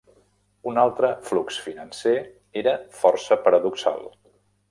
Un altre flux financer era força paradoxal.